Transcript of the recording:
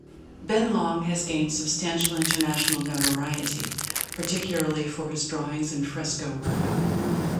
Ben Long has gained substantial international notoriety, particularly for his drawings and fresco work.